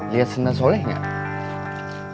lihat sendal soleh nggak